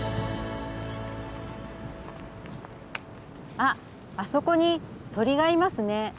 あっあそこに鳥がいますね。